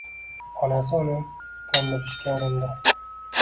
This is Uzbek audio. Onasi uni kundirishga urindi!